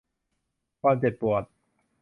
ความเจ็บปวด